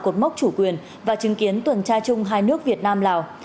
cột mốc chủ quyền và chứng kiến tuần tra chung hai nước việt nam lào